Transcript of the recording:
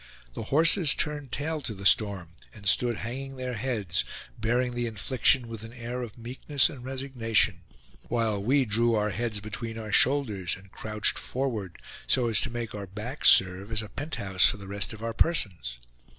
The horses turned tail to the storm, and stood hanging their heads, bearing the infliction with an air of meekness and resignation; while we drew our heads between our shoulders, and crouched forward, so as to make our backs serve as a pent house for the rest of our persons.